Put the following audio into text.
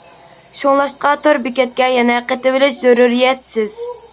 شۇڭلاشقا تور بېكەتكە يەنە قېتىۋېلىش زۆرۈرىيەتسىز.